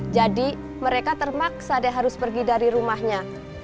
jadi mereka termaksa deh harus pergi dari rumahnya